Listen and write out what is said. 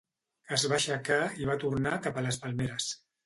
Es va aixecar i va tornar cap a les palmeres.